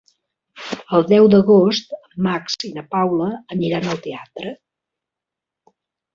El deu d'agost en Max i na Paula aniran al teatre.